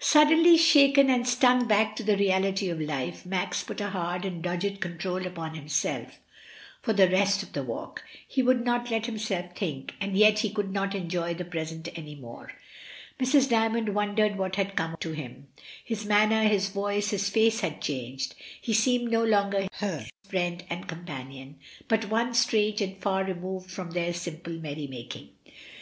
Suddenly shaken and stung back to the reality of life Max put a hard and dogged control upon himself for the rest of the walk; he would not let himself think, and yet he could not enjoy the present any more. Mrs. Dymond A LA PECHE MIRACULEUSE. IO3 wondered what had come to him. His manner, his voice, his face had changed, he seemed no longer her friend and companion, but one strange and far removed from their simple merry making.